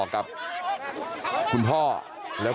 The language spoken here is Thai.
กลับไปลองกลับ